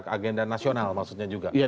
agenda nasional maksudnya juga